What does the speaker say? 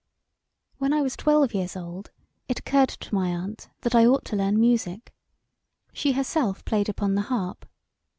When I was twelve years old it occurred to my aunt that I ought to learn music; she herself played upon the harp.